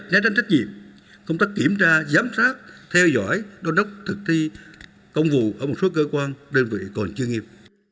nét đánh trách nhiệm công tác kiểm tra giám sát theo dõi đón đốc thực thi công vụ ở một số cơ quan đơn vị còn chưa nghiêm